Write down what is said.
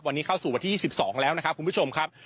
วันนี้เข้าสู่วันที่๒๒แล้วนะครับคุณผู้ชมครับ